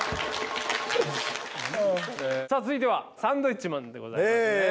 続いてはサンドウィッチマンでございますね。